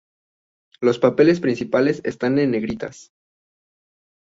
Los papeles principales están en negrita